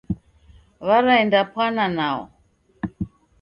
W'araendapwana nao.